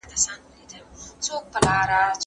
خپل ښار پاک وساتئ.